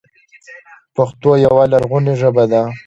پښتو يوه لرغونې ژبه ده.